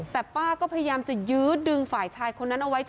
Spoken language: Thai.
แต่ป้าก็พยายามจะยื้อดึงฝ่ายชายคนนั้นเอาไว้